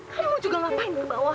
kamu juga ngapain ke bawah